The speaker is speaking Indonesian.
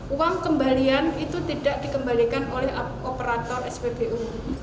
uang kembalian itu tidak dikembalikan oleh operator spbu